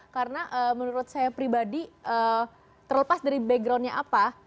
karena menurut saya pribadi terlepas dari backgroundnya apa